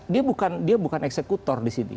dia bukan dia bukan eksekutor disini